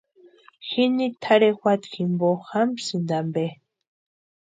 Jini tʼarhe juata jimpo jamsïnti ampe.